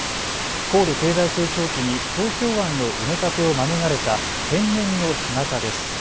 高度経済成長期に東京湾の埋め立てを免れた天然の干潟です。